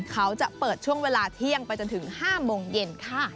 เขาจะเปิดช่วงเวลาเที่ยงไปจนถึง๕โมงเย็นค่ะ